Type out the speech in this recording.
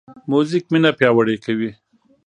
موزیک مینه پیاوړې کوي.